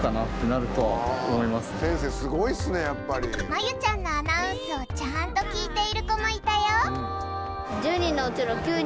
まゆちゃんのアナウンスをちゃんと聞いている子もいたよ